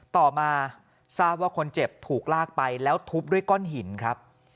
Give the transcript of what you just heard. ต่อมาทราบว่าคนเจ็บถูกลากไปแล้วทุบด้วยก้อนหินครับ